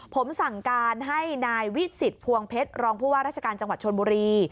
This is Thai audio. ผมสั่งการให้นายวิสิทธิพวงเพชรรองผู้ว่าราชการจังหวัดชนบุรี